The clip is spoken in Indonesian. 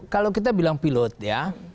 kalau kita bilang pilot ya